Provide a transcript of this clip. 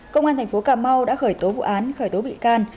công an tp cà mau đã khởi tố vụ án khởi tố bị can